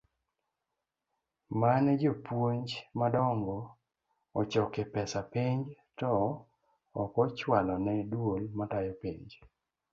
mane jopuonj madongo ochoke pesa penj to okochualo ne duol matayo penj.